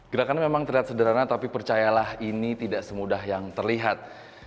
gerakannya memang terlihat sederhana tapi percayalah ini tidak semudah yang terlihat